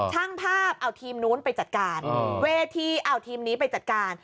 ช่างภาพเอาทีมนู้นไปจัดการเวทีเอาทีมนี้ไปจัดการ